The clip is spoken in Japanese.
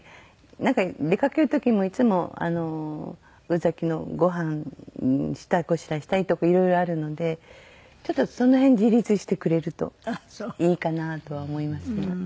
なんか出かける時もいつも宇崎のごはんの支度をしたりとかいろいろあるのでその辺自立してくれるといいかなとは思いますが。